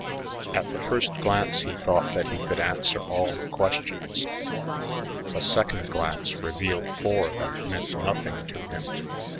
At the first glance he thought that he could answer all the questions; a second glance revealed four that meant nothing to him.